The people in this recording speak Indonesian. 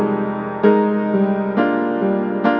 aku gak dengerin kata kata kamu mas